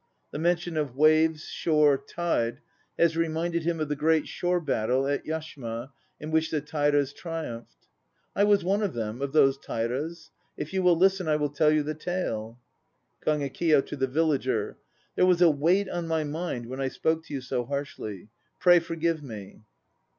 The mention of "waves" "shore" "tide" has re minded him of the great shore battle at Yashima in which the Tairas triumphed.) "I was one of them, of those Tairas. If you will listen, I will tell the tale ..." iGEKIYO (to the VILLAGER;. There was a weight on my mind when I spoke to you so harshly. ray forgive me.